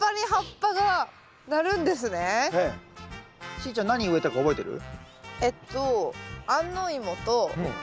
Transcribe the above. しーちゃん何植えたか覚えてる？